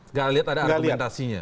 nggak lihat ada argumentasinya